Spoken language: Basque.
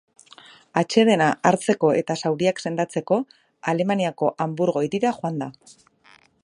Atsedena hartzeko eta zauriak sendatzeko, Alemaniako Hanburgo hirira joango da.